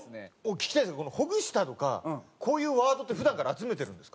聞きたいんですけどこの「ほぐした」とかこういうワードって普段から集めてるんですか？